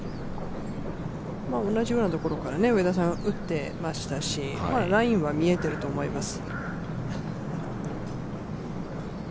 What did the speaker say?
同じようなところから上田さん、打っていましたし、ラインは見えていると思います。